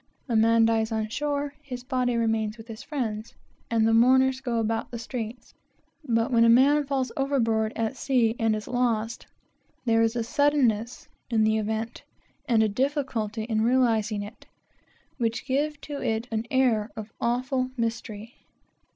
A man dies on shore; his body remains with his friends, and "the mourners go about the streets;" but when a man falls overboard at sea and is lost, there is a suddenness in the event, and a difficulty in realizing it, which give to it an air of awful mystery.